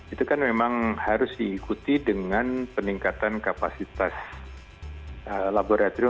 itu kan memang harus diikuti dengan peningkatan kapasitas laboratorium